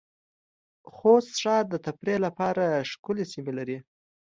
خوست ښار د تفریح لپاره ښکلې سېمې لرې